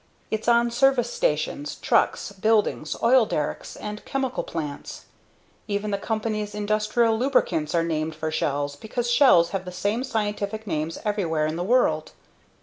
It's on service stations, trucks, buildings, oil derricks and chemical plants. Even the company's industrial lubricants are named for shells because shells have the same scientific names everywhere in the world.